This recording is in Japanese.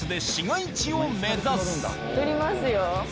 乗りますよ。